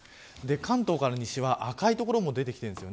関東から西は赤い所も出てきています。